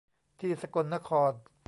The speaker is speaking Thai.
ที่สกลนคร